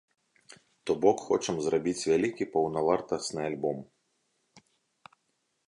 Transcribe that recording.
То бок, хочам зрабіць вялікі паўнавартасны альбом.